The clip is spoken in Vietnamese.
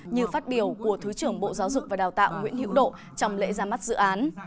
như phát biểu của thứ trưởng bộ giáo dục và đào tạo nguyễn hữu độ trong lễ ra mắt dự án